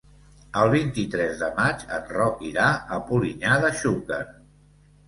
El vint-i-tres de maig en Roc irà a Polinyà de Xúquer.